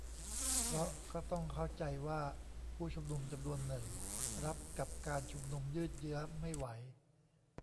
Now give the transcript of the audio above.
เพราะก็ต้องเข้าใจว่าผู้ชุมนุมจำนวนหนึ่งรับกับการชุมนุมยืดเยื้อไม่ไหว